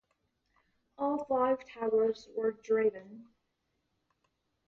All five towers were driven.